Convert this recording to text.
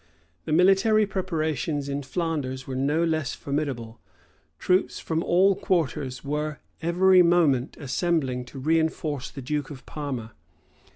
The military preparations in Flanders were no less formidable. Troops from all quarters were every moment assembling to reënforce the duke of Parma.